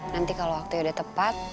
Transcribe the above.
nanti kalau waktu yang udah tepat